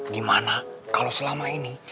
gimana kalau selama ini